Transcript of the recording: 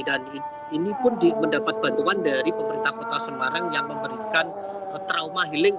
dan ini pun di mendapat bantuan dari pemerintah kota semarang yang memberikan trauma healing